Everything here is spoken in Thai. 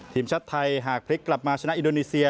ทีมชาติไทยหากพลิกกลับมาชนะอินโดนีเซีย